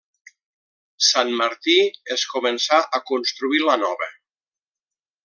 Santmartí es començà a construir la nova.